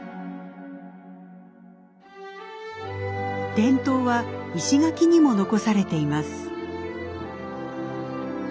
伝統は石垣にも残されています。